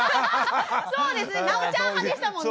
そうですねなおちゃん派でしたもんね。